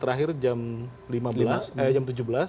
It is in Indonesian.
terakhir jam lima belas